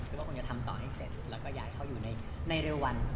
ว่าคงจะทำต่อให้เสร็จแล้วก็อยากให้เขาอยู่ในเร็ววัน